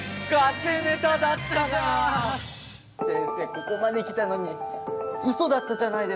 ここまで来たのにうそだったじゃないですか！